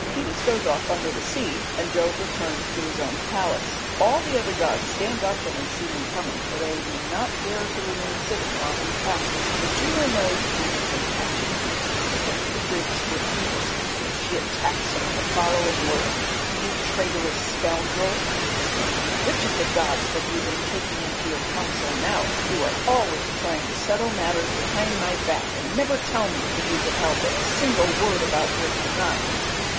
Thetis goes off under the sea and Jove returns to his own palace. All the other gods stand up when they see him coming, for they do not dare to remain sitting while he passes, but Juno knows he has been hatching mischief against the Greeks with Thetis, so she attacks him in the following words: "You traitorous scoundrel," she exclaims, "which of the gods have you been taking into your counsel now? You are always trying to settle matters behind my back, and never tell me, if you can help it, a single word about your designs."